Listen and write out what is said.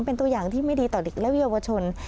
เป็นตัวอย่างที่ไม่ดีต่อเด็กและเยาวชน